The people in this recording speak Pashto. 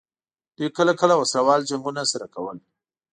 دوی کله کله وسله وال جنګونه سره کول.